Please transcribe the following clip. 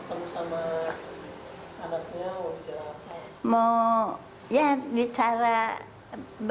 ami kalau ketemu sama anaknya mau bicara apa